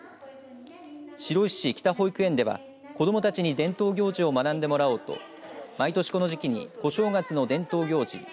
白石市北保育園では子どもたちに伝統行事を学んでもらおうと毎年この時期に小正月の伝統行事